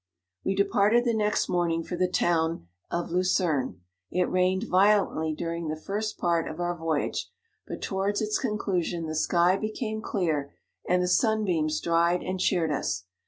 We departed the next morning for the town of Lucerne. It rained vio lently during the first part of our voy age, but towards its conclusion the sky became clear, and the sun beams dried and cheered us.